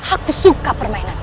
aku suka permainan itu